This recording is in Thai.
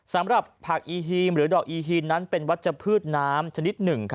สำหรับผักอีฮีมหรือดอกอีฮีนนั้นเป็นวัชพืชน้ำชนิดหนึ่ง